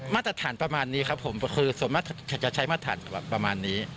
มาตรฐานประมาณนี้ครับผมคือส่วนมากจะใช้มาตรฐานประมาณนี้